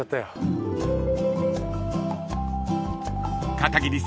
［片桐さん